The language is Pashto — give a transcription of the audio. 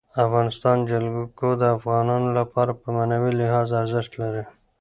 د افغانستان جلکو د افغانانو لپاره په معنوي لحاظ ارزښت لري.